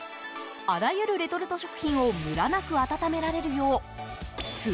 あらゆるレトルト食品をムラなく温められるよう